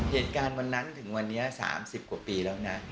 เหตุการณ์วันนั้นถึงวันนี้๓๐กว่าปีแล้วนะ